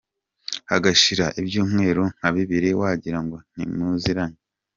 Hagashira ibyumweru nka bibiri wagira ngo ntimuziranye.